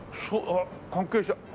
あ関係者。